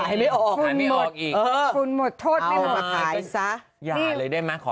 ใช่ครับฝั่งไม่ออกอีก